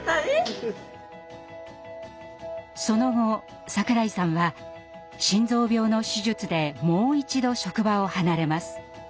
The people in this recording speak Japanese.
その後櫻井さんは心臓病の手術でもう一度職場を離れます。